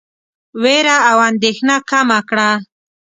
وېره او اندېښنه کمه کړه.